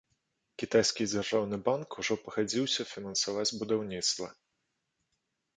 Кітайскі дзяржаўны банк ужо пагадзіўся фінансаваць будаўніцтва.